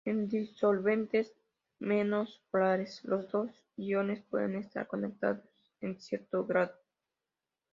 En disolventes menos polares, los dos iones pueden estar conectados en cierto grado.